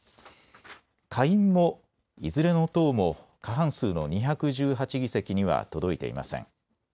下院もいずれの党も過半数の２１８議席には届いていません。